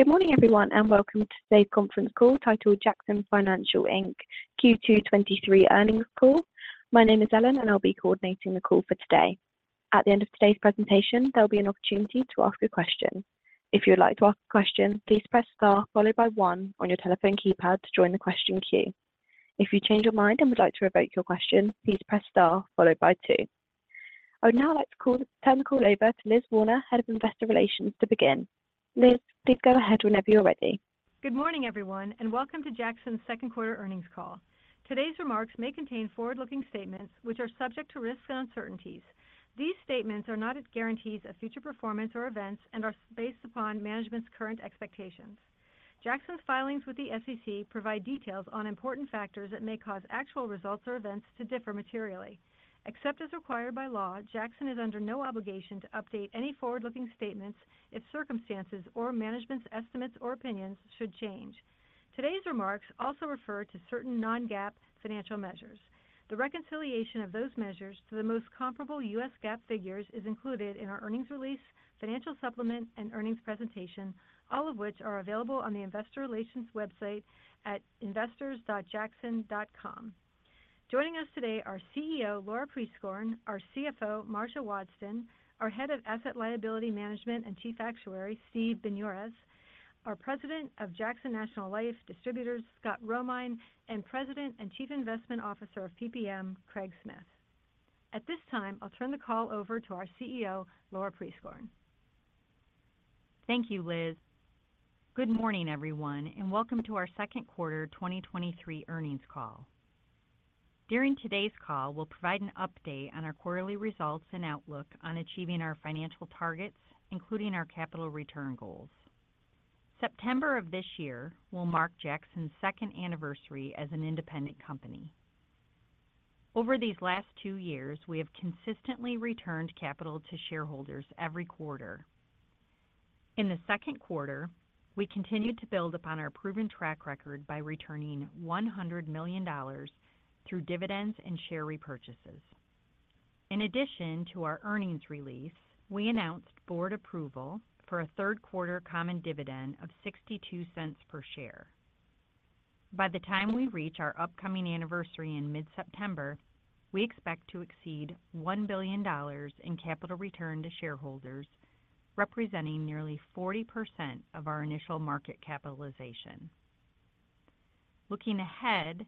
Good morning, everyone, and welcome to today's conference call, titled Jackson Financial Inc. Q2 2023 Earnings Call. My name is Ellen, and I'll be coordinating the call for today. At the end of today's presentation, there'll be an opportunity to ask a question. If you'd like to ask a question, please press star one on your telephone keypad to join the question queue. If you change your mind and would like to revoke your question, please press star two. I would now like to turn the call over to Liz Werner, Head of Investor Relations, to begin. Liz, please go ahead whenever you're ready. Good morning, everyone, and welcome to Jackson's second quarter earnings call. Today's remarks may contain forward-looking statements which are subject to risks and uncertainties. These statements are not guarantees of future performance or events and are based upon management's current expectations. Jackson's filings with the SEC provide details on important factors that may cause actual results or events to differ materially. Except as required by law, Jackson is under no obligation to update any forward-looking statements if circumstances or management's estimates or opinions should change. Today's remarks also refer to certain non-GAAP financial measures. The reconciliation of those measures to the most comparable US GAAP figures is included in our earnings release, financial supplement and earnings presentation, all of which are available on the Investor Relations website at investors.jackson.com. Joining us today are CEO, Laura Prieskorn, our CFO, Marcia Wadsten, our Head of Asset Liability Management and Chief Actuary, Steve Boinay, our President of Jackson National Life Distributors, Scott Romine, and President and Chief Investment Officer of PPM, Craig Smith. At this time, I'll turn the call over to our CEO, Laura Prieskorn. Thank you, Liz. Good morning, everyone, and welcome to our second quarter 2023 earnings call. During today's call, we'll provide an update on our quarterly results and outlook on achieving our financial targets, including our capital return goals. September of this year will mark Jackson's second anniversary as an independent company. Over these last two years, we have consistently returned capital to shareholders every quarter. In the second quarter, we continued to build upon our proven track record by returning $100 million through dividends and share repurchases. In addition to our earnings release, we announced board approval for a third quarter common dividend of $0.62 per share. By the time we reach our upcoming anniversary in mid-September, we expect to exceed $1 billion in capital return to shareholders, representing nearly 40% of our initial market capitalization. Looking ahead,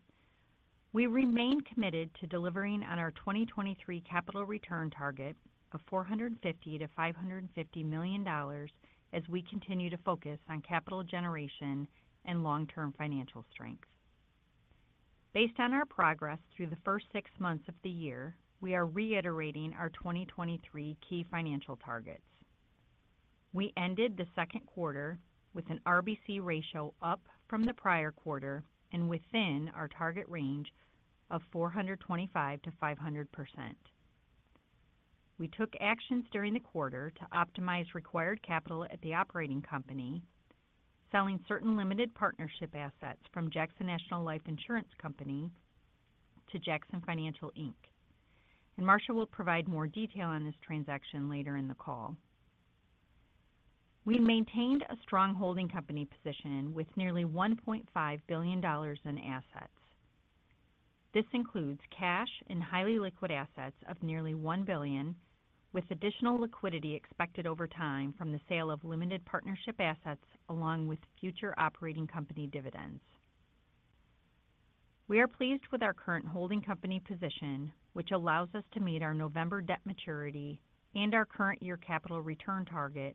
we remain committed to delivering on our 2023 capital return target of $450 million-$550 million as we continue to focus on capital generation and long-term financial strength. Based on our progress through the first six months of the year, we are reiterating our 2023 key financial targets. We ended the second quarter with an RBC ratio up from the prior quarter and within our target range of 425%-500%. We took actions during the quarter to optimize required capital at the operating company, selling certain limited partnership assets from Jackson National Life Insurance Company to Jackson Financial Inc. Marcia will provide more detail on this transaction later in the call. We maintained a strong holding company position with nearly $1.5 billion in assets. This includes cash and highly liquid assets of nearly $1 billion, with additional liquidity expected over time from the sale of limited partnership assets, along with future operating company dividends. We are pleased with our current holding company position, which allows us to meet our November debt maturity and our current year capital return target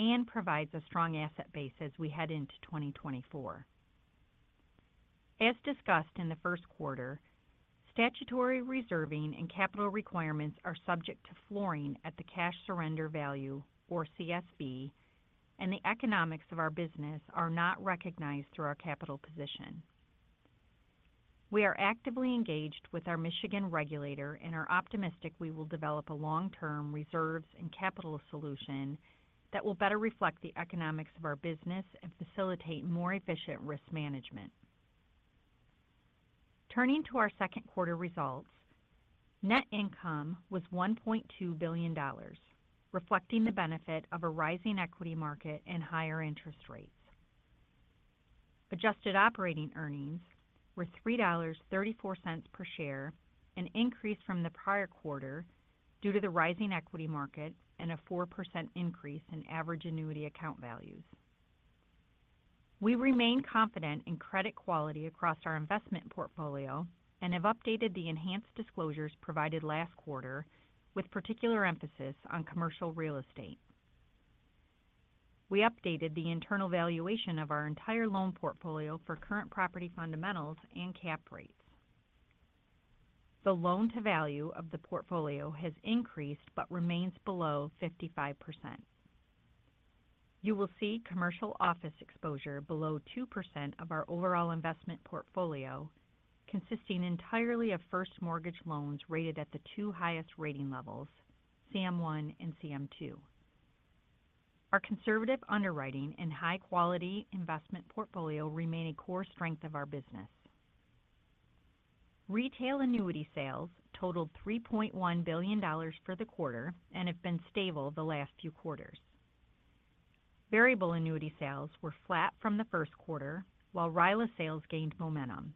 and provides a strong asset base as we head into 2024. As discussed in the first quarter, statutory reserving and capital requirements are subject to flooring at the Cash Surrender Value, or CSV, and the economics of our business are not recognized through our capital position. We are actively engaged with our Michigan regulator and are optimistic we will develop a long-term reserves and capital solution that will better reflect the economics of our business and facilitate more efficient risk management. Turning to our second quarter results, net income was $1.2 billion, reflecting the benefit of a rising equity market and higher interest rates. Adjusted operating earnings were $3.34 per share, an increase from the prior quarter due to the rising equity market and a 4% increase in average annuity account values. We remain confident in credit quality across our investment portfolio and have updated the enhanced disclosures provided last quarter, with particular emphasis on commercial real estate. We updated the internal valuation of our entire loan portfolio for current property fundamentals and cap rates. The loan-to-value of the portfolio has increased but remains below 55%. You will see commercial office exposure below 2% of our overall investment portfolio, consisting entirely of first mortgage loans rated at the two highest rating levels, CM1 and CM2. Our conservative underwriting and high-quality investment portfolio remain a core strength of our business. Retail annuity sales totaled $3.1 billion for the quarter and have been stable the last few quarters. Variable annuity sales were flat from the first quarter, while RILA sales gained momentum.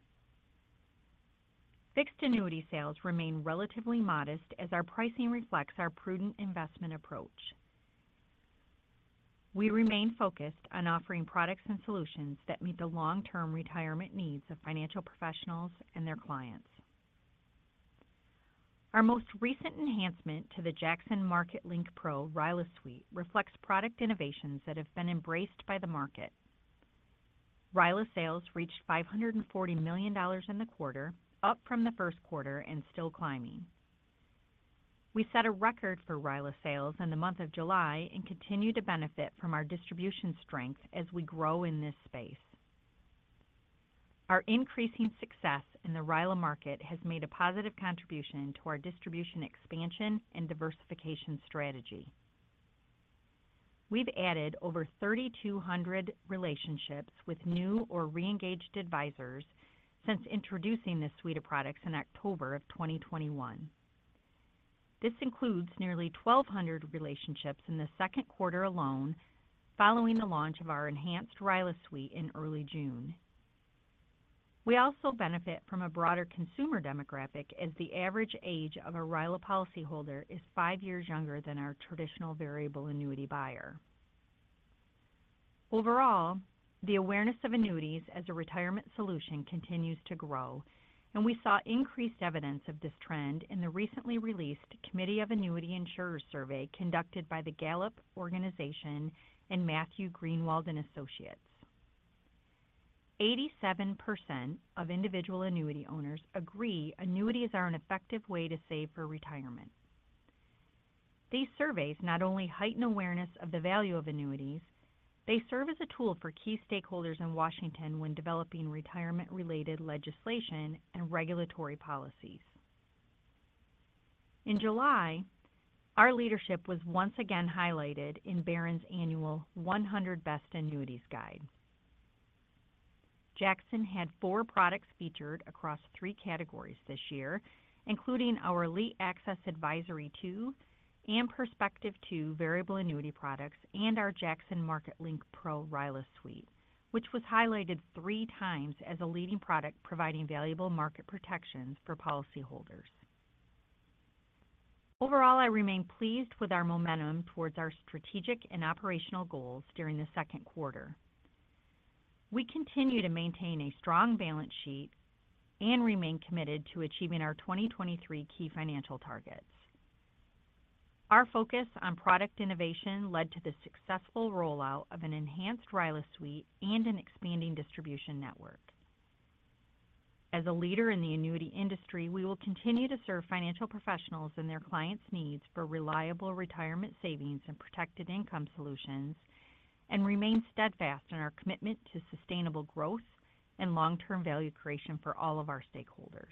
Fixed annuity sales remain relatively modest as our pricing reflects our prudent investment approach. We remain focused on offering products and solutions that meet the long-term retirement needs of financial professionals and their clients. Our most recent enhancement to the Jackson Market Link Pro RILA Suite reflects product innovations that have been embraced by the market. RILA sales reached $540 million in the quarter, up from the first quarter and still climbing. We set a record for RILA sales in the month of July and continue to benefit from our distribution strength as we grow in this space. Our increasing success in the RILA market has made a positive contribution to our distribution, expansion, and diversification strategy. We've added over 3,200 relationships with new or re-engaged advisors since introducing this suite of products in October of 2021. This includes nearly 1,200 relationships in the second quarter alone, following the launch of our enhanced RILA suite in early June. We also benefit from a broader consumer demographic, as the average age of a RILA policyholder is five years younger than our traditional variable annuity buyer. Overall, the awareness of annuities as a retirement solution continues to grow, and we saw increased evidence of this trend in the recently released Committee of Annuity Insurers survey, conducted by the Gallup Organization and Matthew Greenwald & Associates. 87% of individual annuity owners agree annuities are an effective .ay to save for retirement. These surveys not only heighten awareness of the value of annuities, they serve as a tool for key stakeholders in Washington when developing retirement-related legislation and regulatory policies. In July, our leadership was once again highlighted in Barron's annual 100 Best Annuities Guide. Jackson had four products featured across three categories this year, including our Elite Access Advisory two and Perspective two variable annuity products, and our Jackson Market Link Pro RILA Suite, which was highlighted 3x as a leading product, providing valuable market protections for policyholders. Overall, I remain pleased with our momentum towards our strategic and operational goals during the second quarter. We continue to maintain a strong balance sheet and remain committed to achieving our 2023 key financial targets. Our focus on product innovation led to the successful rollout of an enhanced RILA suite and an expanding distribution network. As a leader in the annuity industry, we will continue to serve financial professionals and their clients' needs for reliable retirement savings and protected income solutions, and remain steadfast in our commitment to sustainable growth and long-term value creation for all of our stakeholders.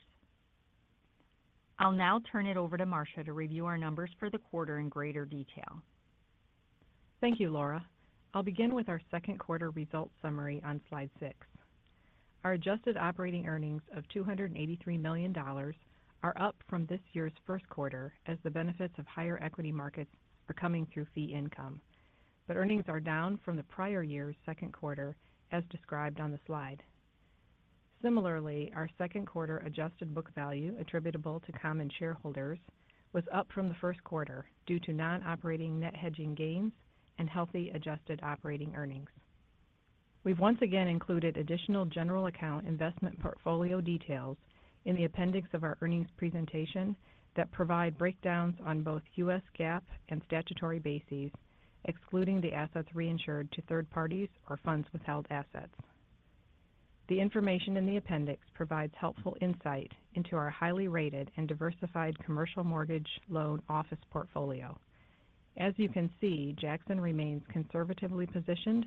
I'll now turn it over to Marcia to review our numbers for the quarter in greater detail. Thank you, Laura. I'll begin with our second quarter results summary on Slide 6. Our adjusted operating earnings of $283 million are up from this year's first quarter, as the benefits of higher equity markets are coming through fee income. Earnings are down from the prior year's second quarter, as described on the slide. Similarly, our second quarter adjusted book value attributable to common shareholders, was up from the first quarter due to non-operating net hedging gains and healthy adjusted operating earnings. We've once again included additional general account investment portfolio details in the appendix of our earnings presentation that provide breakdowns on both US GAAP and statutory bases, excluding the assets reinsured to third parties or funds withheld assets. The information in the appendix provides helpful insight into our highly rated and diversified commercial mortgage loan office portfolio. As you can see, Jackson remains conservatively positioned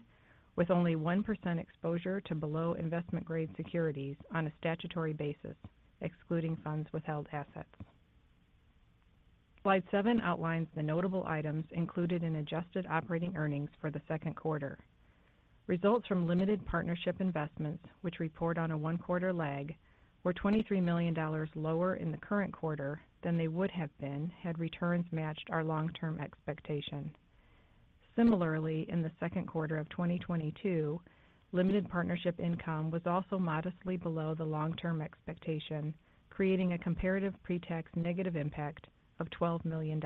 with only 1% exposure to below investment grade securities on a statutory basis, excluding funds withheld assets. Slide 7 outlines the notable items included in adjusted operating earnings for the second quarter. Results from limited partnership investments, which report on a one-quarter lag, were $23 million lower in the current quarter than they would have been, had returns matched our long-term expectation. Similarly, in the second quarter of 2022, limited partnership income was also modestly below the long-term expectation, creating a comparative pre-tax negative impact of $12 million.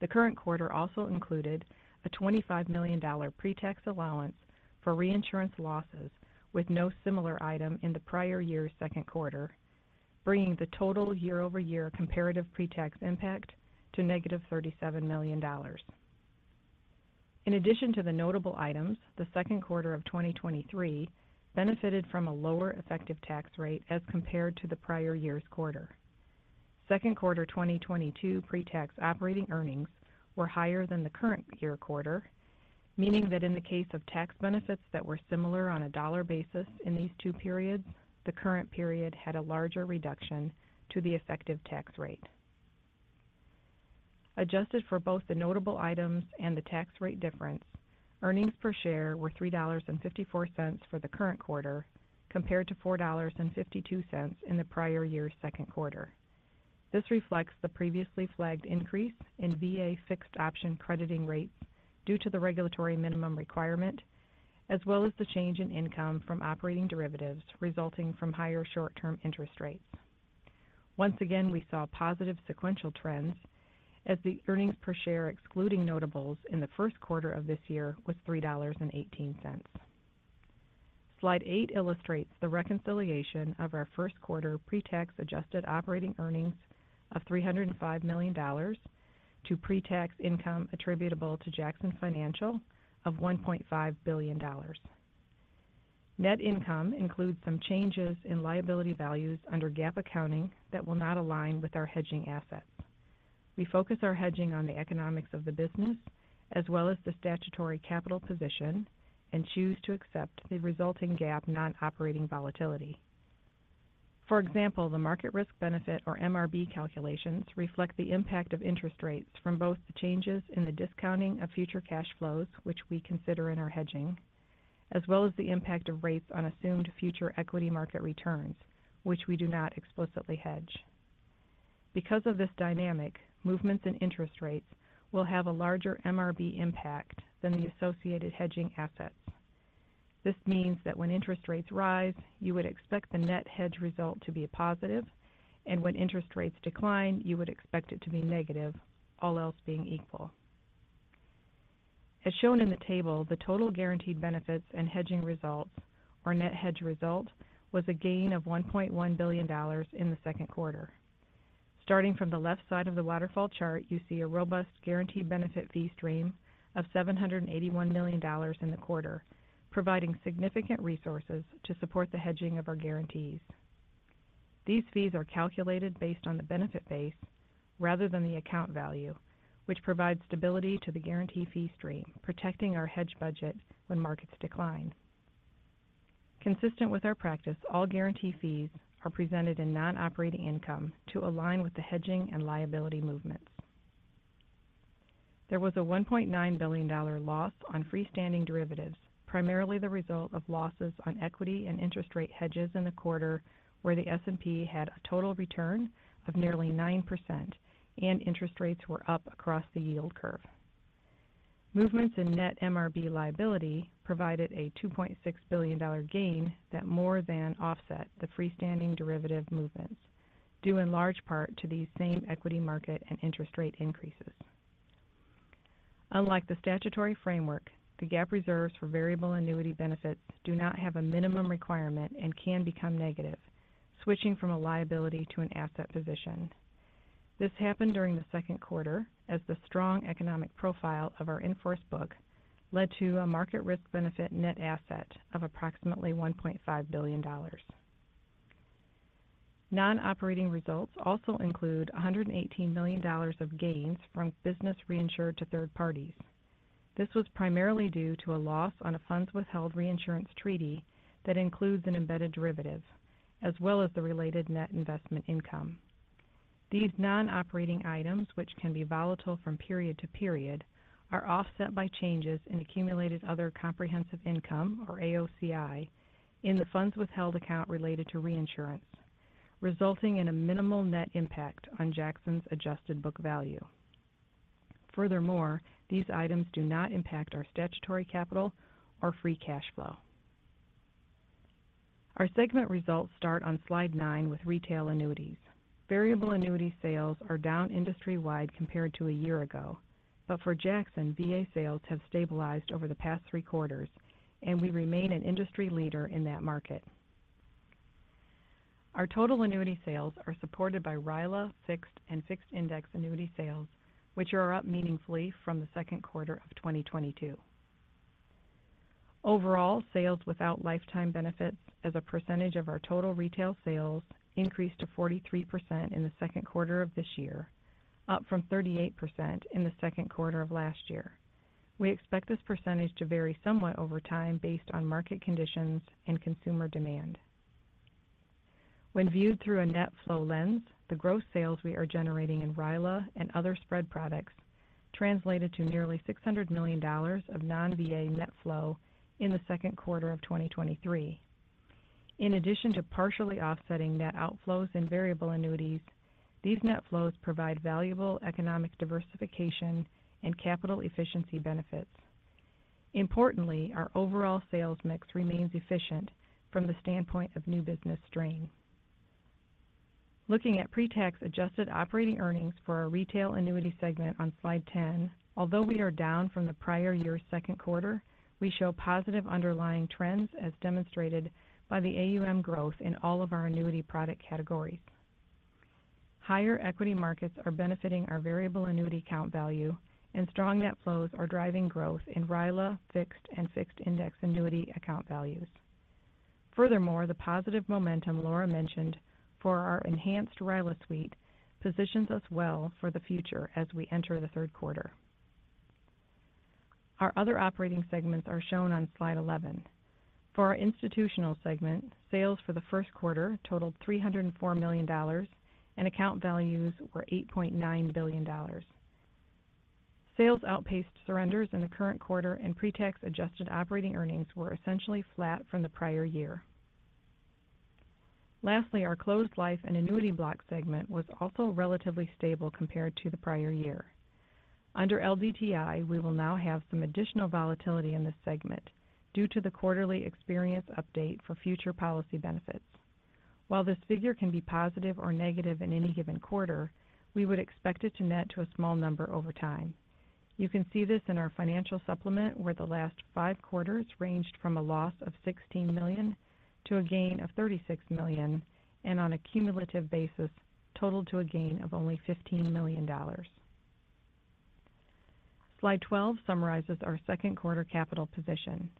The current quarter also included a $25 million pre-tax allowance for reinsurance losses, with no similar item in the prior year's second quarter, bringing the total year-over-year comparative pre-tax impact to negative $37 million. In addition to the notable items, the second quarter of 2023 benefited from a lower effective tax rate as compared to the prior year's quarter. Second quarter 2022 pre-tax operating earnings were higher than the current year quarter, meaning that in the case of tax benefits that were similar on a dollar basis in these two periods, the current period had a larger reduction to the effective tax rate. Adjusted for both the notable items and the tax rate difference, earnings per share were $3.54 for the current quarter, compared to $4.52 in the prior year's second quarter. This reflects the previously flagged increase in VA fixed option crediting rates due to the regulatory minimum requirement, as well as the change in income from operating derivatives resulting from higher short-term interest rates. Once again, we saw positive sequential trends as the earnings per share, excluding notables in the first quarter of this year, was $3.18. Slide 8 illustrates the reconciliation of our first quarter pre-tax adjusted operating earnings of $305 million to pre-tax income attributable to Jackson Financial of $1.5 billion. Net income includes some changes in liability values under GAAP accounting that will not align with our hedging assets. We focus our hedging on the economics of the business as well as the statutory capital position, and choose to accept the resulting GAAP non-operating volatility. For example, the market risk benefit or MRB calculations reflect the impact of interest rates from both the changes in the discounting of future cash flows, which we consider in our hedging, as well as the impact of rates on assumed future equity market returns, which we do not explicitly hedge. Because of this dynamic, movements in interest rates will have a larger MRB impact than the associated hedging assets. This means that when interest rates rise, you would expect the net hedge result to be positive, and when interest rates decline, you would expect it to be negative, all else being equal. As shown in the table, the total guaranteed benefits and hedging results or net hedge result was a gain of $1.1 billion in the second quarter. Starting from the left side of the waterfall chart, you see a robust guaranteed benefit fee stream of $781 million in the quarter, providing significant resources to support the hedging of our guarantees. These fees are calculated based on the benefit base rather than the account value, which provides stability to the guarantee fee stream, protecting our hedge budget when markets decline. Consistent with our practice, all guarantee fees are presented in non-operating income to align with the hedging and liability movements. There was a $1.9 billion loss on freestanding derivatives, primarily the result of losses on equity and interest rate hedges in the quarter, where the S&P had a total return of nearly 9% and interest rates were up across the yield curve. Movements in net MRB liability provided a $2.6 billion gain that more than offset the freestanding derivative movements, due in large part to these same equity market and interest rate increases. Unlike the statutory framework, the GAAP reserves for variable annuity benefits do not have a minimum requirement and can become negative, switching from a liability to an asset position. This happened during the second quarter as the strong economic profile of our in-force book led to a market risk benefit net asset of approximately $1.5 billion. Non-operating results also include $118 million of gains from business reinsured to third parties. This was primarily due to a loss on a funds withheld reinsurance treaty that includes an embedded derivative, as well as the related net investment income. These non-operating items, which can be volatile from period to period, are offset by changes in accumulated other comprehensive income, or AOCI, in the funds withheld account related to reinsurance, resulting in a minimal net impact on Jackson's adjusted book value. Furthermore, these items do not impact our statutory capital or free cash flow. Our segment results start on Slide 9 with retail annuities. Variable annuity sales are down industry-wide compared to a year ago, but for Jackson, VA sales have stabilized over the past three quarters, and we remain an industry leader in that market. Our total annuity sales are supported by RILA, fixed, and fixed index annuity sales, which are up meaningfully from the second quarter of 2022. Overall, sales without lifetime benefits as a percentage of our total retail sales increased to 43% in the second quarter of this year, up from 38% in the second quarter of last year. We expect this percentage to vary somewhat over time based on market conditions and consumer demand. When viewed through a net flow lens, the gross sales we are generating in RILA and other spread products translated to nearly $600 million of non-VA net flow in the second quarter of 2023. In addition to partially offsetting net outflows in variable annuities, these net flows provide valuable economic diversification and capital efficiency benefits. Importantly, our overall sales mix remains efficient from the standpoint of new business strain. Looking at pre-tax adjusted operating earnings for our retail annuity segment on Slide 10, although we are down from the prior year's second quarter, we show positive underlying trends, as demonstrated by the AUM growth in all of our annuity product categories. Higher equity markets are benefiting our variable annuity count value, and strong net flows are driving growth in RILA, Fixed, and fixed index annuity account values. Furthermore, the positive momentum Laura mentioned for our enhanced RILA suite positions us well for the future as we enter the third quarter. Our other operating segments are shown on Slide 11. For our institutional segment, sales for the first quarter totaled $304 million, and account values were $8.9 billion. Sales outpaced surrenders in the current quarter, and pre-tax adjusted operating earnings were essentially flat from the prior year. Lastly, our closed life and annuity block segment was also relatively stable compared to the prior year. Under LDTI, we will now have some additional volatility in this segment due to the quarterly experience update for future policy benefits. While this figure can be positive or negative in any given quarter, we would expect it to net to a small number over time. You can see this in our financial supplement, where the last five quarters ranged from a loss of $16 million to a gain of $36 million, and on a cumulative basis, totaled to a gain of only $15 million. Slide 12 summarizes our second quarter capital position.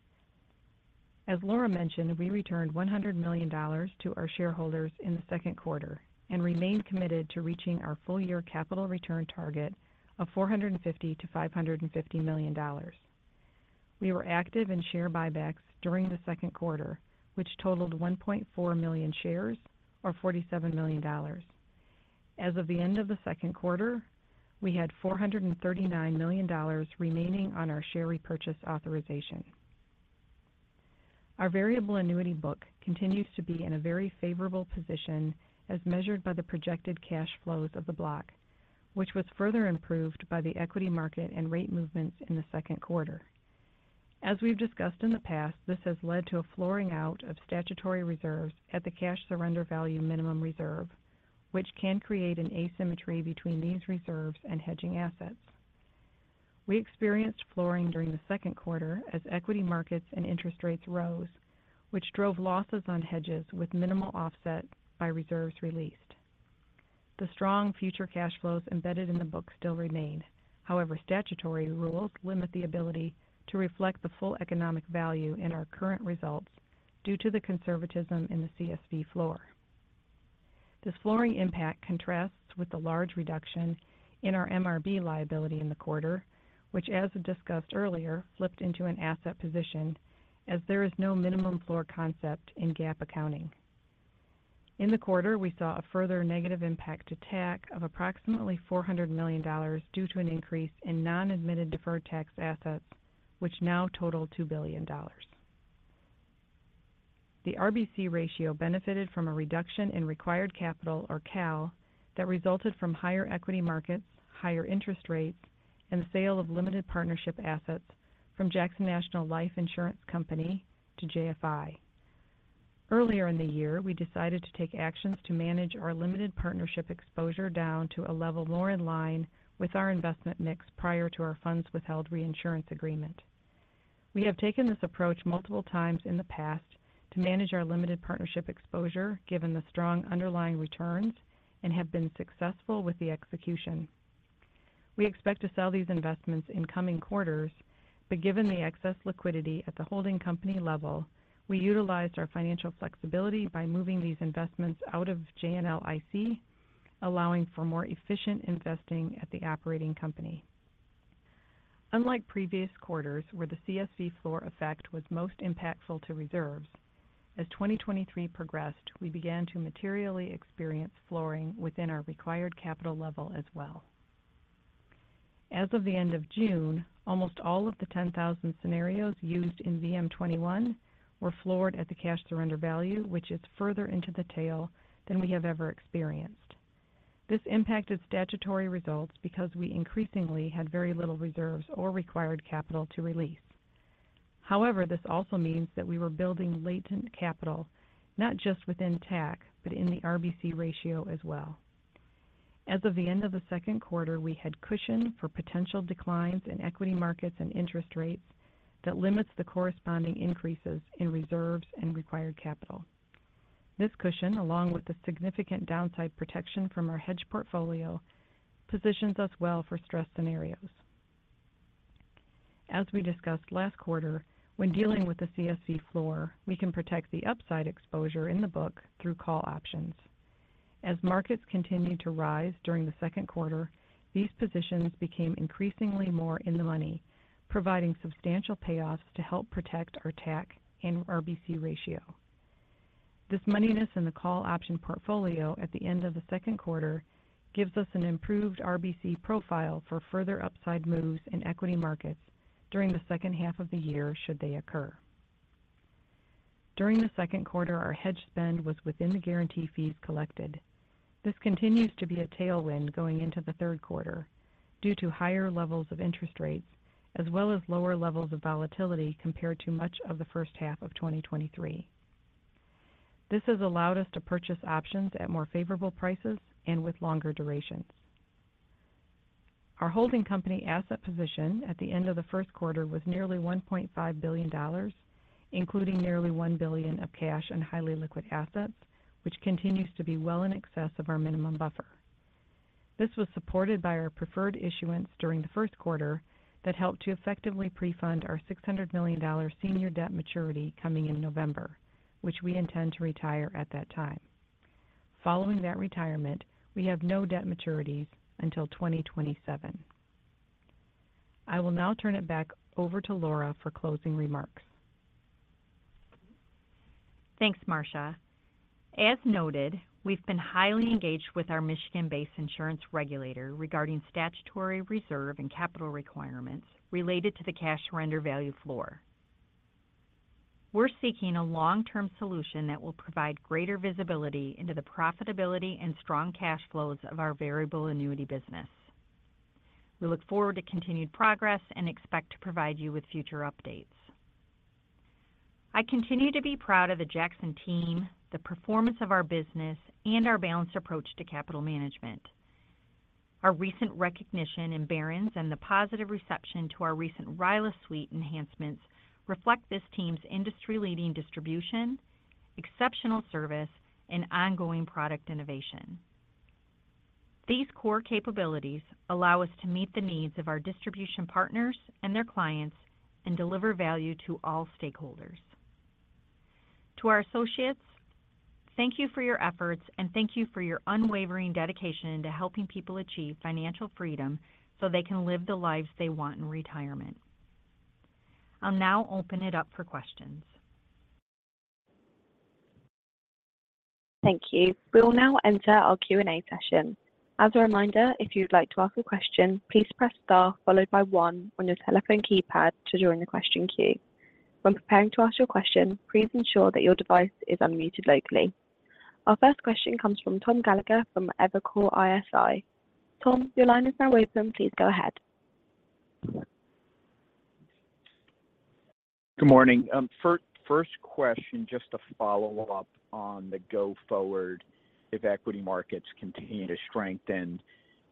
As Laura mentioned, we returned $100 million to our shareholders in the second quarter and remain committed to reaching our full-year capital return target of $450 million-$550 million. We were active in share buybacks during the second quarter, which totaled 1.4 million shares, or $47 million. As of the end of the second quarter, we had $439 million remaining on our share repurchase authorization. Our variable annuity book continues to be in a very favorable position as measured by the projected cash flows of the block, which was further improved by the equity market and rate movements in the second quarter. As we've discussed in the past, this has led to a flooring out of statutory reserves at the Cash Surrender Value minimum reserve, which can create an asymmetry between these reserves and hedging assets. We experienced flooring during the second quarter as equity markets and interest rates rose, which drove losses on hedges with minimal offset by reserves released. The strong future cash flows embedded in the book still remain. Statutory rules limit the ability to reflect the full economic value in our current results due to the conservatism in the CSV floor. This flooring impact contrasts with the large reduction in our MRB liability in the quarter, which, as discussed earlier, flipped into an asset position as there is no minimum floor concept in GAAP accounting. In the quarter, we saw a further negative impact to TAC of approximately $400 million due to an increase in non-admitted deferred tax assets, which now total $2 billion. The RBC ratio benefited from a reduction in required capital, or CAL, that resulted from higher equity markets, higher interest rates, and the sale of limited partnership assets from Jackson National Life Insurance Company to JFI. Earlier in the year, we decided to take actions to manage our limited partnership exposure down to a level more in line with our investment mix prior to our funds withheld reinsurance agreement. We have taken this approach multiple times in the past to manage our limited partnership exposure, given the strong underlying returns, and have been successful with the execution. We expect to sell these investments in coming quarters. Given the excess liquidity at the holding company level, we utilized our financial flexibility by moving these investments out of JNLIC, allowing for more efficient investing at the operating company. Unlike previous quarters, where the CSV floor effect was most impactful to reserves, as 2023 progressed, we began to materially experience flooring within our required capital level as well. As of the end of June, almost all of the 10,000 scenarios used in VM-21 were floored at the Cash Surrender Value, which is further into the tail than we have ever experienced. This impacted statutory results because we increasingly had very little reserves or required capital to release. However, this also means that we were building latent capital, not just within TAC, but in the RBC ratio as well. As of the end of the second quarter, we had cushion for potential declines in equity markets and interest rates that limits the corresponding increases in reserves and required capital. This cushion, along with the significant downside protection from our hedge portfolio, positions us well for stress scenarios. As we discussed last quarter, when dealing with the CSV floor, we can protect the upside exposure in the book through call options. As markets continued to rise during the second quarter, these positions became increasingly more in the money, providing substantial payoffs to help protect our TAC and RBC ratio. This moneyness in the call option portfolio at the end of the second quarter gives us an improved RBC profile for further upside moves in equity markets during the second half of the year, should they occur. During the second quarter, our hedge spend was within the guarantee fees collected. This continues to be a tailwind going into the third quarter due to higher levels of interest rates, as well as lower levels of volatility compared to much of the first half of 2023. This has allowed us to purchase options at more favorable prices and with longer durations. Our holding company asset position at the end of the first quarter was nearly $1.5 billion, including nearly $1 billion of cash and highly liquid assets, which continues to be well in excess of our minimum buffer. This was supported by our preferred issuance during the first quarter that helped to effectively pre-fund our $600 million senior debt maturity coming in November, which we intend to retire at that time. Following that retirement, we have no debt maturities until 2027. I will now turn it back over to Laura for closing remarks. Thanks, Marcia. As noted, we've been highly engaged with our Michigan-based insurance regulator regarding statutory reserve and capital requirements related to the Cash Surrender Value floor. We're seeking a long-term solution that will provide greater visibility into the profitability and strong cash flows of our Variable annuity business. We look forward to continued progress and expect to provide you with future updates. I continue to be proud of the Jackson team, the performance of our business, and our balanced approach to capital management. Our recent recognition in Barron's and the positive reception to our recent RILA suite enhancements reflect this team's industry-leading distribution, exceptional service, and ongoing product innovation. These core capabilities allow us to meet the needs of our distribution partners and their clients and deliver value to all stakeholders. To our associates, thank you for your efforts, and thank you for your unwavering dedication to helping people achieve financial freedom so they can live the lives they want in retirement. I'll now open it up for questions. Thank you. We will now enter our Q&A session. As a reminder, if you'd like to ask a question, please press star followed by one on your telephone keypad to join the question queue. When preparing to ask your question, please ensure that your device is unmuted locally. Our first question comes from Tom Gallagher from Evercore ISI. Tom, your line is now open. Please go ahead. Good morning. First question, just to follow up on the go forward, if equity markets continue to strengthen,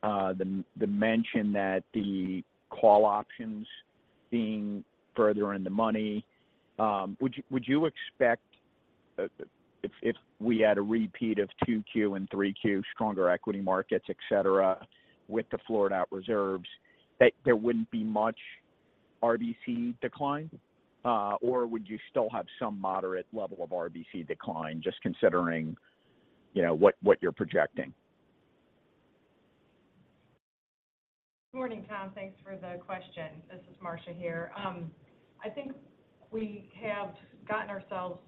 the mention that the call options being further in the money, would you, would you expect, if, if we had a repeat of 2Q and 3Q, stronger equity markets, et cetera, with the floored-out reserves, that there wouldn't be much RBC decline, or would you still have some moderate level of RBC decline, just considering, you know, what, what you're projecting? Good morning, Tom. Thanks for the question. This is Marcia here. I think we have gotten ourselves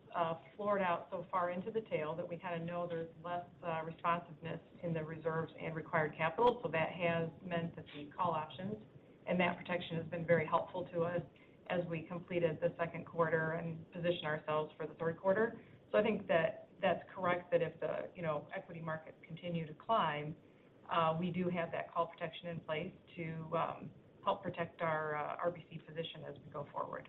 floored out so far into the tail that we kind of know there's less responsiveness in the reserves and required capital. That has meant that the call options and that protection has been very helpful to us as we completed the second quarter and position ourselves for the third quarter. I think that that's correct, that if the, you know, equity markets continue to climb, we do have that call protection in place to help protect our RBC position as we go forward.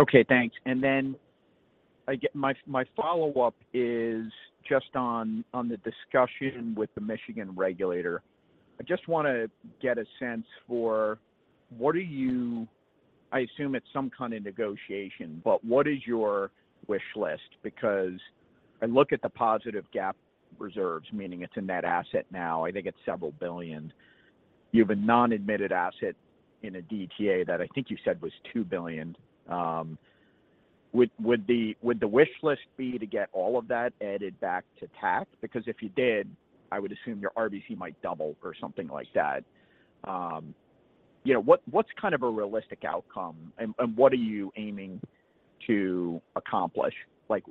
Okay, thanks. Then my, my follow-up is just on, on the discussion with the Michigan regulator. I just wanna get a sense for what are you. I assume it's some kind of negotiation, but what is your wish list? I look at the positive GAAP reserves, meaning it's in that asset now, I think it's several billion dollar. You have a non-admitted asset in a DTA that I think you said was $2 billion. Would, would the, would the wish list be to get all of that added back to tax? Because if you did, I would assume your RBC might double or something like that. You know, what, what's kind of a realistic outcome, and, and what are you aiming to accomplish? Like,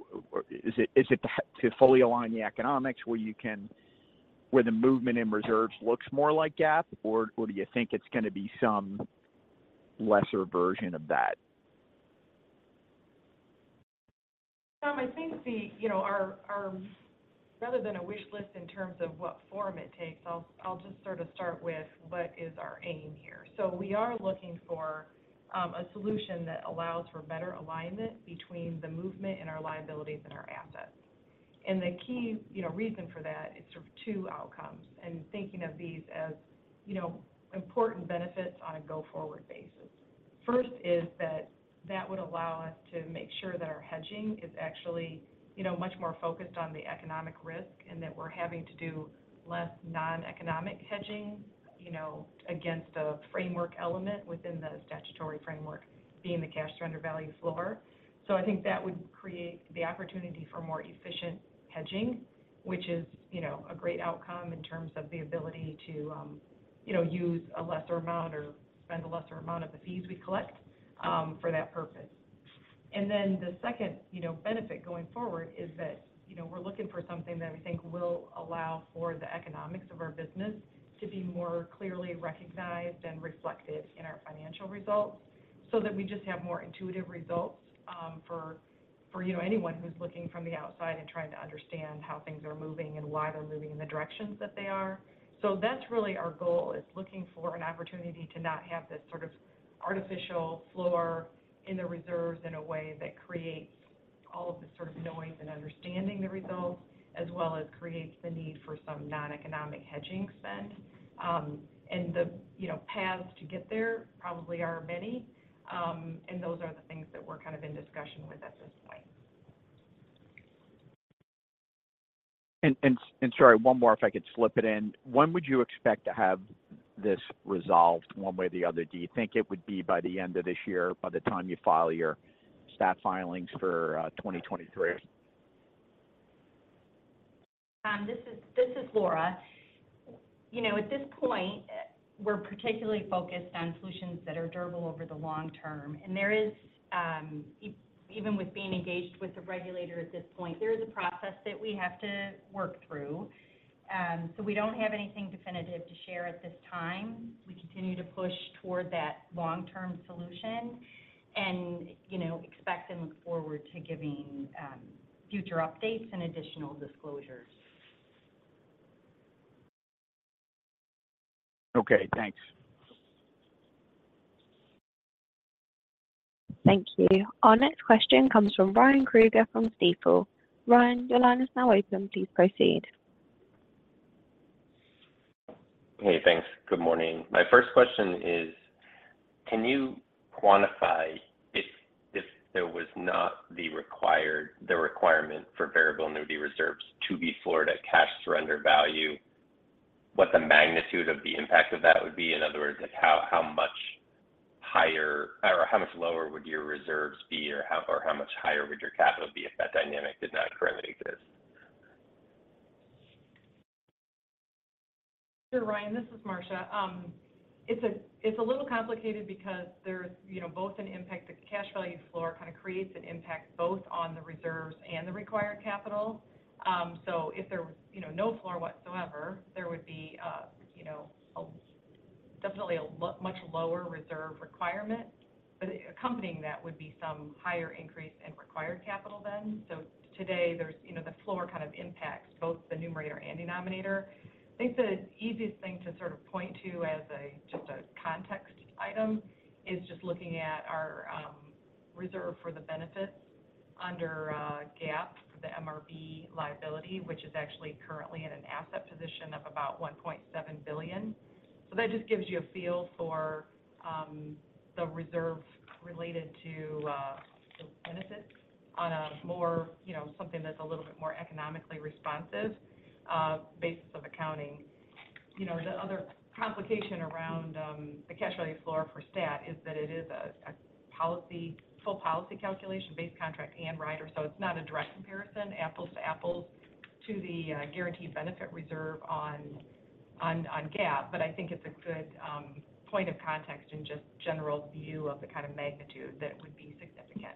is it, is it to, to fully align the economics where you where the movement in reserves looks more like GAAP, or, or do you think it's gonna be some lesser version of that? Tom, I think the, you know, our rather than a wish list in terms of what form it takes, I'll just sort of start with what is our aim here. We are looking for a solution that allows for better alignment between the movement in our liabilities and our assets. The key, you know, reason for that is sort of two outcomes, and thinking of these as, you know, important benefits on a go-forward basis. First is that, that would allow us to make sure that our hedging is actually, you know, much more focused on the economic risk, and that we're having to do less non-economic hedging, you know, against a framework element within the statutory framework, being the Cash Surrender Value floor. I think that would create the opportunity for more efficient hedging, which is, you know, a great outcome in terms of the ability to, you know, use a lesser amount or spend a lesser amount of the fees we collect for that purpose. The second, you know, benefit going forward is that, you know, we're looking for something that we think will allow for the economics of our business to be more clearly recognized and reflected in our financial results, so that we just have more intuitive results for, for, you know, anyone who's looking from the outside and trying to understand how things are moving and why they're moving in the directions that they are. That's really our goal, is looking for an opportunity to not have this sort of artificial floor in the reserves in a way that creates all of the sort of noise and understanding the results, as well as creates the need for some non-economic hedging spend. The, you know, paths to get there probably are many, and those are the things that we're kind of in discussion with at this point. And, and sorry, one more, if I could slip it in. When would you expect to have this resolved one way or the other? Do you think it would be by the end of this year, by the time you file your stat filings for, 2023? This is, this is Laura. You know, at this point, we're particularly focused on solutions that are durable over the long term, and there is, even with being engaged with the regulator at this point, there is a process that we have to work through. We don't have anything definitive to share at this time. We continue to push toward that long-term solution and, you know, expect and look forward to giving, future updates and additional disclosures. Okay, thanks. Thank you. Our next question comes from Ryan Krueger from Stifel. Ryan, your line is now open. Please proceed. Hey, thanks. Good morning. My first question is, can you quantify if there was not the requirement for variable annuity reserves to be Florida Cash Surrender Value, what the magnitude of the impact of that would be? In other words, like, how much higher or how much lower would your reserves be, or how much higher would your capital be if that dynamic did not currently exist? Sure, Ryan, this is Marcia. It's a, it's a little complicated because there's, you know, both an impact, the cash value floor kind of creates an impact both on the reserves and the required capital. If there was, you know, no floor whatsoever, there would be, you know, a definitely a lo- much lower reserve requirement, but accompanying that would be some higher increase in required capital then. Today, there's, you know, the floor kind of impacts both the numerator and denominator. I think the easiest thing to sort of point to as a, just a context item, is just looking at our reserve for the benefits under GAAP for the MRB liability, which is actually currently in an asset position of about $1.7 billion. That just gives you a feel for the reserve related to the benefits on a more, you know, something that's a little bit more economically responsive basis of accounting. You know, the other complication around the cash value floor for stat is that it is a, a policy, full policy calculation, base contract, and rider, so it's not a direct comparison, apples to apples, to the guaranteed benefit reserve on, on, on GAAP. I think it's a good point of context and just general view of the kind of magnitude that it would be significant.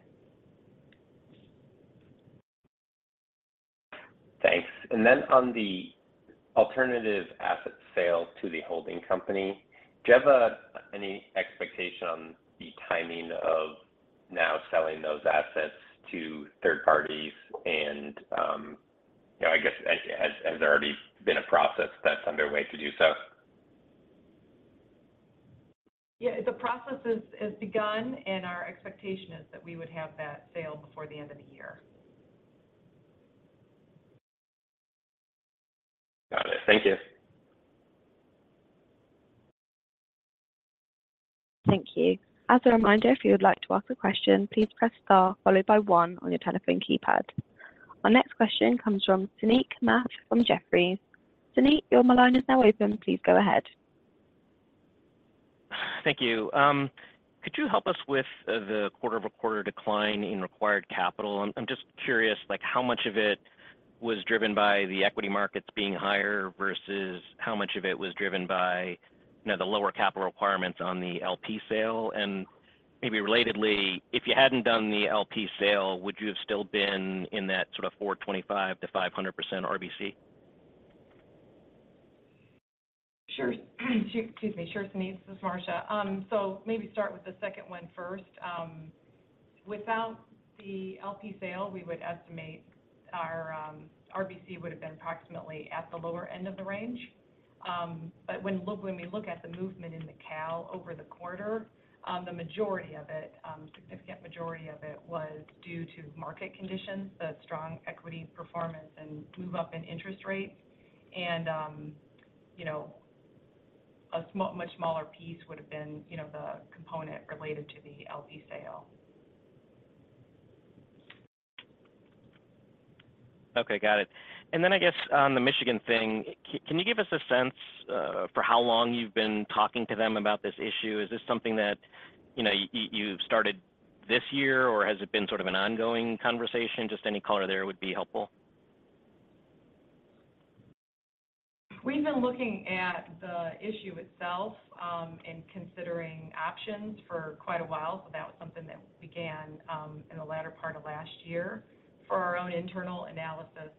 Thanks. Then on the alternative asset sale to the holding company, do you have any expectation on the timing of now selling those assets to third parties? You know, I guess, has, has, has there already been a process that's underway to do so? Yeah, the process has, has begun, and our expectation is that we would have that sale before the end of the year. Got it. Thank you. Thank you. As a reminder, if you would like to ask a question, please press star followed by one on your telephone keypad. Our next question comes from Suneet Kamath from Jefferies. Suneet, your line is now open. Please go ahead. Thank you. Could you help us with the quarter-over-quarter decline in required capital? I'm just curious, like, how much of it was driven by the equity markets being higher versus how much of it was driven by, you know, the lower capital requirements on the LP sale? Maybe relatedly, if you hadn't done the LP sale, would you have still been in that sort of 425%-500% RBC? Sure. Sure, Suneet, this is Marcia. Maybe start with the second one first. Without the LP sale, we would estimate our RBC would have been approximately at the lower end of the range. When we look at the movement in the CAL over the quarter, the majority of it, significant majority of it was due to market conditions, the strong equity performance and move up in interest rates. You know, a much smaller piece would have been, you know, the component related to the LP sale. Okay, got it. Then I guess on the Michigan thing, can you give us a sense for how long you've been talking to them about this issue? Is this something that, you know, you've started this year, or has it been sort of an ongoing conversation? Just any color there would be helpful. We've been looking at the issue itself, and considering options for quite a while. That was something that began in the latter part of last year for our own internal analysis.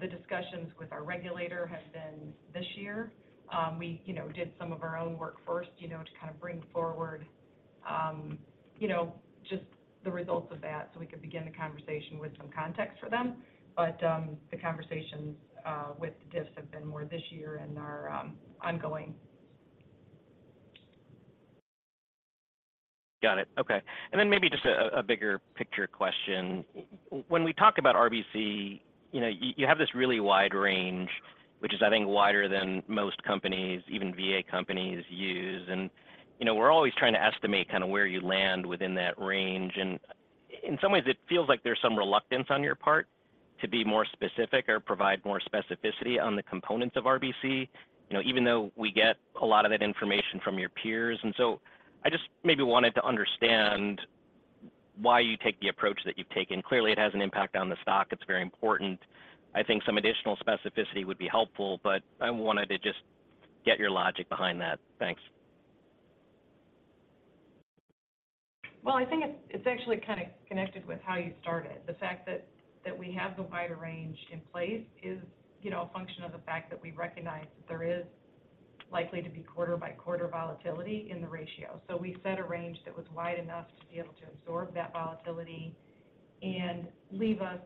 The discussions with our regulator have been this year. We, you know, did some of our own work first, you know, to kind of bring forward, you know, just the results of that, so we could begin the conversation with some context for them. The conversations with DIFS have been more this year and are ongoing. Got it. Okay. Then maybe just a bigger picture question. When we talk about RBC, you know, you have this really wide range, which is, I think, wider than most companies, even VA companies use. You know, we're always trying to estimate kind of where you land within that range, and. In some ways, it feels like there's some reluctance on your part to be more specific or provide more specificity on the components of RBC, you know, even though we get a lot of that information from your peers. I just maybe wanted to understand why you take the approach that you've taken. Clearly, it has an impact on the stock. It's very important. I think some additional specificity would be helpful, but I wanted to just get your logic behind that. Thanks. Well, I think it's actually kind of connected with how you started. The fact that we have the wider range in place is, you know, a function of the fact that we recognize that there is likely to be quarter-by-quarter volatility in the ratio. We set a range that was wide enough to be able to absorb that volatility and leave us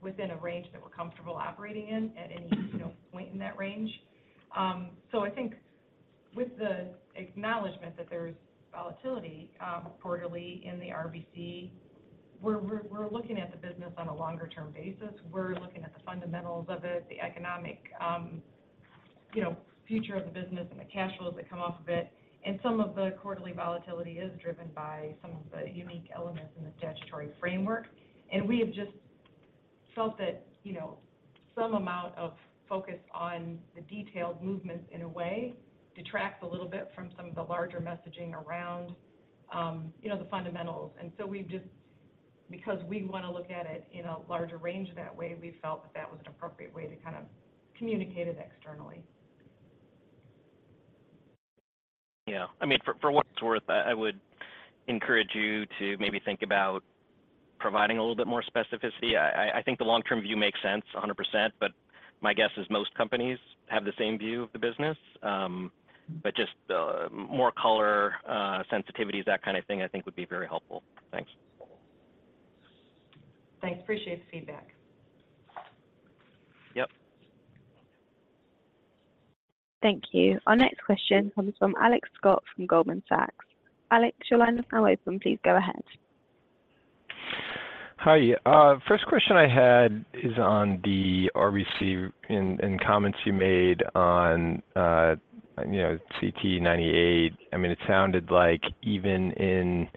within a range that we're comfortable operating in, at any, you know, point in that range. I think with the acknowledgment that there's volatility quarterly in the RBC, we're looking at the business on a longer-term basis. We're looking at the fundamentals of it, the economic, you know, future of the business and the cash flows that come off of it. Some of the quarterly volatility is driven by some of the unique elements in the statutory framework. We have just felt that, you know, some amount of focus on the detailed movements, in a way, detract a little bit from some of the larger messaging around, you know, the fundamentals. We've just, because we want to look at it in a larger range that way, we felt that that was an appropriate way to kind of communicate it externally. Yeah. I mean, for, for what it's worth, I, I would encourage you to maybe think about providing a little bit more specificity. I, I, I think the long-term view makes sense 100%, but my guess is most companies have the same view of the business. But just more color, sensitivities, that kind of thing, I think would be very helpful. Thanks. Thanks. Appreciate the feedback. Yep. Thank you. Our next question comes from Alex Scott from Goldman Sachs. Alex, your line is now open. Please go ahead. Hi. First question I had is on the RBC and, and comments you made on, you know, CTE 98. I mean, it sounded like even in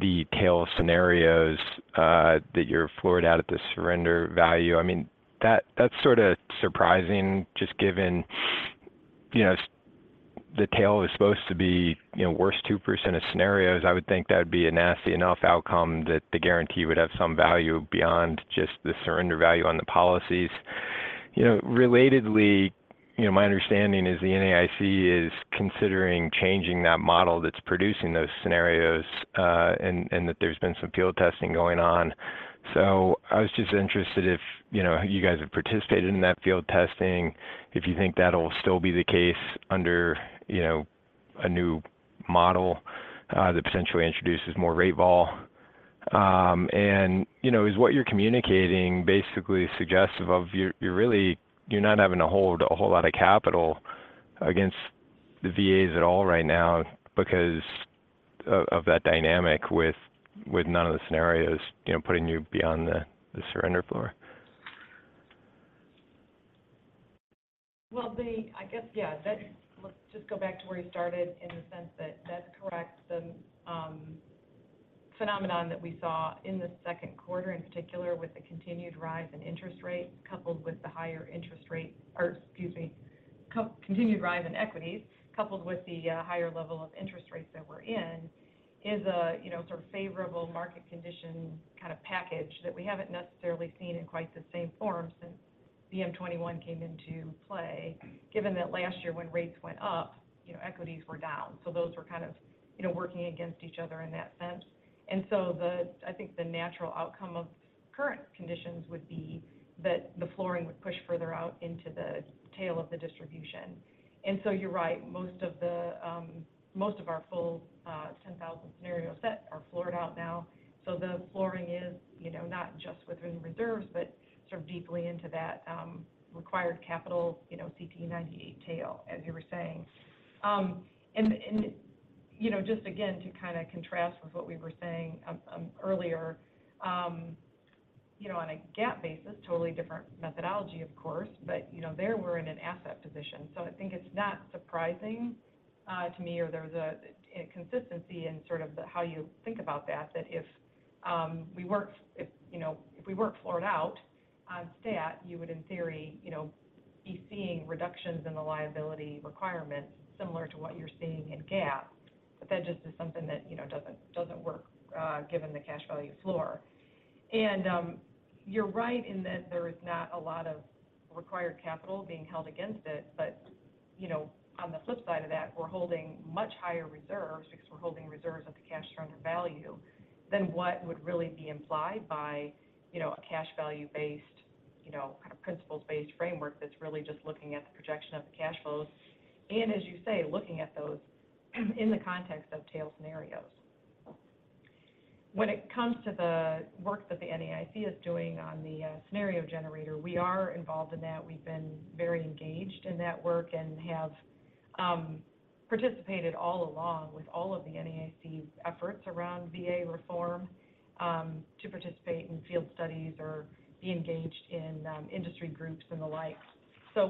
the tail scenarios, that you're floored out at the surrender value, I mean, that's sort of surprising, just given, you know, the tail is supposed to be, you know, worst 2% of scenarios. I would think that would be a nasty enough outcome that the guarantee would have some value beyond just the surrender value on the policies. You know, relatedly, you know, my understanding is the NAIC is considering changing that model that's producing those scenarios, and that there's been some field testing going on. I was just interested if, you know, you guys have participated in that field testing, if you think that'll still be the case under, you know, a new model that potentially introduces more rate vol. You know, is what you're communicating basically suggestive of you're, you're really, you're not having to hold a whole lot of capital against the VAs at all right now because of that dynamic with, with none of the scenarios, you know, putting you beyond the, the surrender floor? Well, I guess, yeah, that, let's just go back to where we started in the sense that that's correct. The phenomenon that we saw in the second quarter, in particular, with the continued rise in interest rates, coupled with the higher interest rates, or excuse me, co-continued rise in equities, coupled with the higher level of interest rates that we're in, is a, you know, sort of favorable market condition kind of package that we haven't necessarily seen in quite the same form since VM-21 came into play, given that last year when rates went up, you know, equities were down. Those were kind of, you know, working against each other in that sense. The, I think the natural outcome of current conditions would be that the flooring would push further out into the tail of the distribution. So you're right, most of the most of our full 10,000 scenario set are floored out now. The flooring is, you know, not just within reserves, but sort of deeply into that required capital, you know, CTE 98 tail, as you were saying. And, you know, just again, to kind of contrast with what we were saying earlier, you know, on a GAAP basis, totally different methodology, of course, but, you know, there we're in an asset position. I think it's not surprising to me or there's a consistency in sort of the how you think about that, that if we weren't if, you know, if we weren't floored out on stat, you would, in theory, you know, be seeing reductions in the liability requirements similar to what you're seeing in GAAP. That just is something that, you know, doesn't, doesn't work, given the cash value floor. You're right in that there is not a lot of required capital being held against it, but, you know, on the flip side of that, we're holding much higher reserves because we're holding reserves at the Cash Surrender Value than what would really be implied by, you know, a cash value-based, you know, kind of principles-based framework that's really just looking at the projection of the cash flows, and as you say, looking at those in the context of tail scenarios. When it comes to the work that the NAIC is doing on the scenario generator, we are involved in that. We've been very engaged in that work and have participated all along with all of the NAIC's efforts around VA reform to participate in field studies or be engaged in industry groups and the like.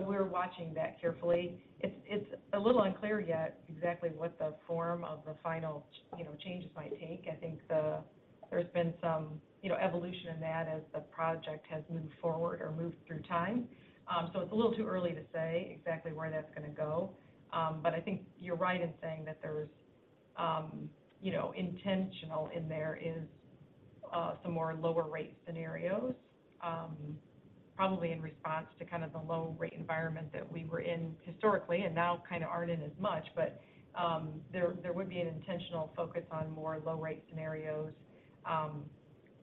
We're watching that carefully. It's, it's a little unclear yet exactly what the form of the final you know, changes might take. I think there's been some, you know, evolution in that as the project has moved forward or moved through time. It's a little too early to say exactly where that's gonna go. I think you're right in saying that there's, you know, intentional in there is some more lower rate scenarios, probably in response to kind of the low rate environment that we were in historically and now kind of aren't in as much. There, there would be an intentional focus on more low rate scenarios,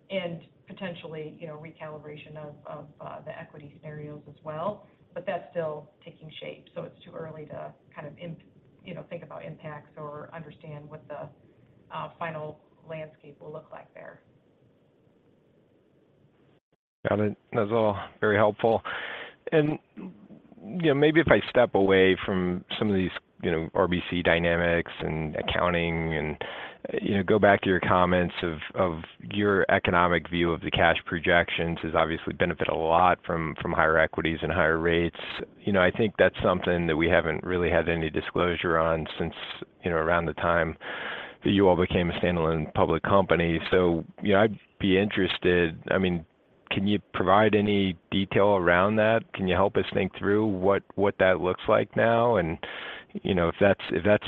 and potentially, you know, recalibration of, of, the equity scenarios as well. That's still taking shape, so it's too early to kind of you know, think about impacts or understand what the final landscape will look like there. Got it. That's all very helpful. You know, maybe if I step away from some of these, you know, RBC dynamics and accounting and, you know, go back to your comments of, of your economic view of the cash projections has obviously benefited a lot from, from higher equities and higher rates. You know, I think that's something that we haven't really had any disclosure on since, you know, around the time that you all became a standalone public company. So, you know, I'd be interested. I mean, can you provide any detail around that? Can you help us think through what, what that looks like now? You know, if that's, if that's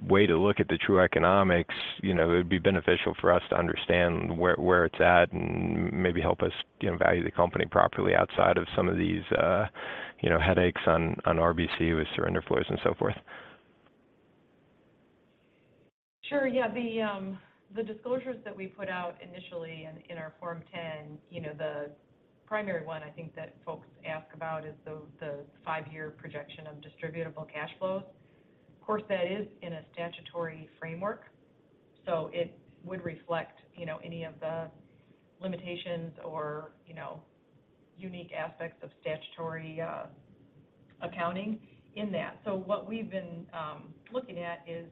the way to look at the true economics, you know, it would be beneficial for us to understand where, where it's at and maybe help us, you know, value the company properly outside of some of these, you know, headaches on, on RBC with surrender flows and so forth. Sure. Yeah, the, the disclosures that we put out initially in, in our Form 10, you know, the primary one I think that folks ask about is the, the five-year projection of distributable cash flows. Of course, that is in a statutory framework, so it would reflect, you know, any of the limitations or, you know, unique aspects of statutory accounting in that. So what we've been looking at is,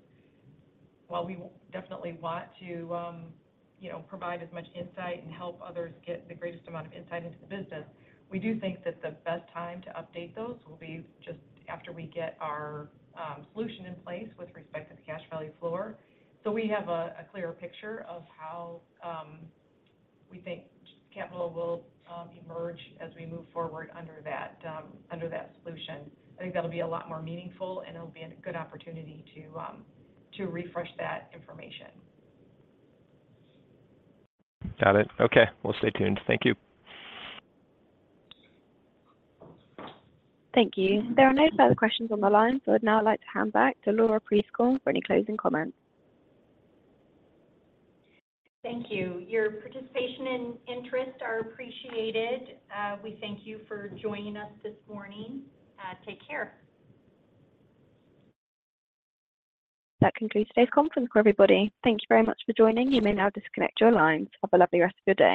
while we definitely want to, you know, provide as much insight and help others get the greatest amount of insight into the business, we do think that the best time to update those will be just after we get our solution in place with respect to the cash value floor. We have a, a clearer picture of how we think capital will emerge as we move forward under that, under that solution. I think that'll be a lot more meaningful, and it'll be a good opportunity to refresh that information. Got it. Okay. We'll stay tuned. Thank you. Thank you. There are no further questions on the line, so I'd now like to hand back to Laura Prieskorn for any closing comments. Thank you. Your participation and interest are appreciated. We thank you for joining us this morning. Take care. That concludes today's conference for everybody. Thank you very much for joining. You may now disconnect your lines. Have a lovely rest of your day.